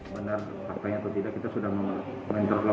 benar taktanya atau tidak kita sudah memulai